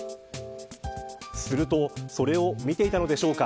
するとそれを見ていたのでしょうか。